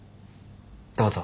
どうぞ。